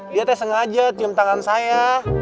lihatnya sengaja tim tangan saya